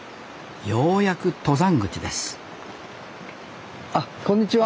ようやく登山口ですあっこんにちは。